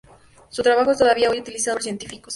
Su trabajo es todavía hoy, utilizado por científicos.